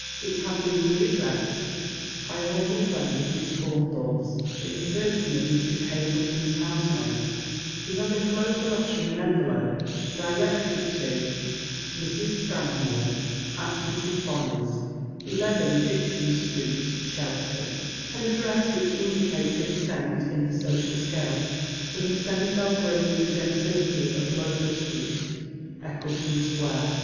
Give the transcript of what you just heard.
It has been re addressed by an humble friend of Miss Faun thorpe's, in the person of Mrs. Hazleton's housemaid, who has enclosed the letter in an envelope directed to — MRS. STANMORE, At Mrs. Bonnt's, 11, Dixon Street, Chelsea. An address which indicates a descent in the social scale from the semi Belgravian gentility of Lowther Street, Eccleston Square.